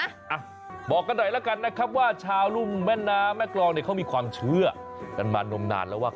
อ่ะบอกกันหน่อยแล้วกันนะครับว่าชาวรุ่มแม่น้ำแม่กรองเนี่ยเขามีความเชื่อกันมานมนานแล้วว่า